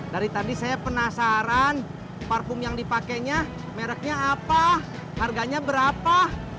dari tadi saya penasaran parfum yang dipakainya mereknya apa harganya berapa